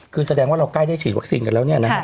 คือแสดงว่าเราใกล้ได้ฉีดวัคซีนกันแล้วเนี่ยนะฮะ